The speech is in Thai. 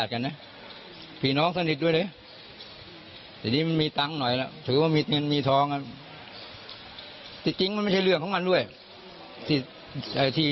ก็กังวลบางงานมั้ยคะคู่กรณีเป็นมาก